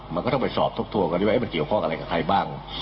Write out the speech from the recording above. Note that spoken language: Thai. มันก็ต้องไปสอบทบทวนกันที่ว่ามันเกี่ยวข้องอะไรกับใครบ้าง